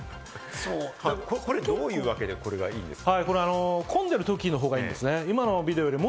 これどういうわけでこれがいいんですか？